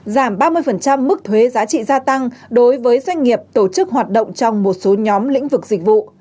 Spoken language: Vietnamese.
giảm ba mươi mức thuế giá trị gia tăng đối với doanh nghiệp tổ chức hoạt động trong một số nhóm lĩnh vực dịch vụ